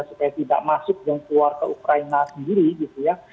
supaya tidak masuk dan keluar ke ukraina sendiri gitu ya